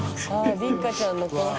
立椛ちゃんの後輩。